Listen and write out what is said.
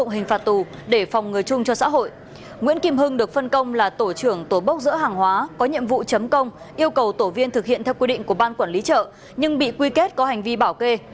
hãy đăng ký kênh để ủng hộ kênh của chúng mình nhé